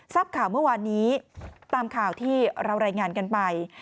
ทราบข่าวเมื่อวานนี้ตามข่าวที่เรารายงานกันไป